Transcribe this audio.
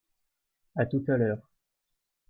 À tout à l'heure.